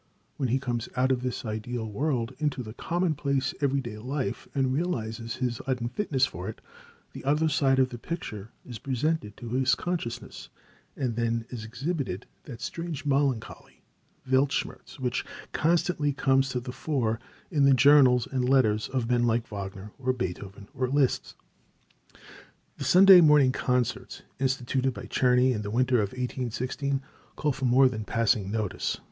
When he comes out of this ideal world into the commonplace every day life, and realizes his unfitness for it, the other side of the picture is presented to his consciousness, and then is exhibited that strange melancholy, Weltschmerz, which constantly comes to the fore in the journals and letters of men like Wagner, or Beethoven, or Liszt. The Sunday morning concerts, instituted by Czerny in the winter of 1816, call for more than passing notice.